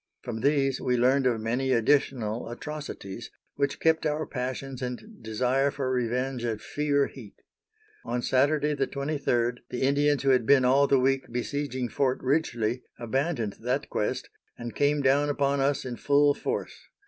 From these we learned of many additional atrocities, which kept our passions and desire for revenge at fever heat. On Saturday, the 23d, the Indians who had been all the week besieging Fort Ridgely, abandoned that quest, and came down upon us in full force.